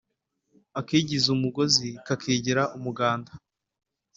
Akigize umugozi kakigira umuganda